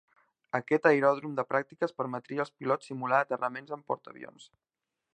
Aquest aeròdrom de pràctiques permetria als pilots simular aterraments en portaavions.